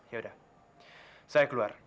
yaudah saya keluar